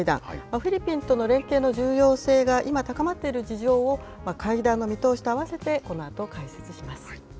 フィリピンとの連携の重要性が今高まっている事情を、会談の見通しとあわせてこのあと解説します。